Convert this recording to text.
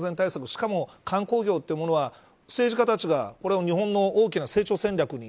しかも、観光業というものは政治家たちが、これを日本の大きな成長戦略に